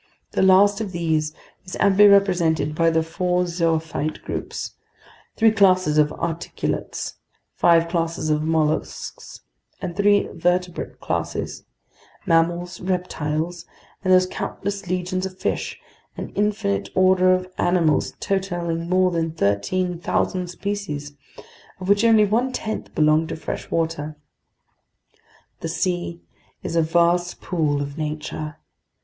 The last of these is amply represented by the four zoophyte groups, three classes of articulates, five classes of mollusks, and three vertebrate classes: mammals, reptiles, and those countless legions of fish, an infinite order of animals totaling more than 13,000 species, of which only one tenth belong to fresh water. The sea is a vast pool of nature.